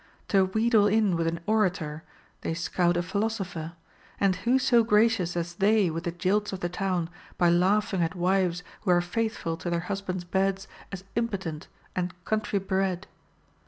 To wheedle in with an orator, they scout a philosopher ; and who so gracious as they with the jilts of the town, by laughing at wives who are faithful to their husbands' beds as impotent and country bred'?